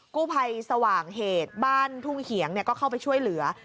กู้ภัยสว่างเหตุบ้านทุ่งเหียงก็เข้าไปช่วยเหลือ